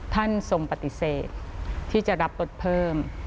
ท่านทรงปฏิเสธที่จะรับรถเพิ่ม